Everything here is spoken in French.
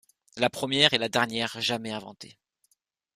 La première et la dernière jamais inventée.